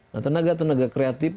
nah tenaga tenaga kreatif